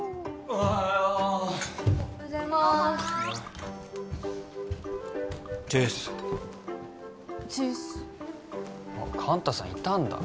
おはようおはようございますおはーちーすちーす寛太さんいたんだ？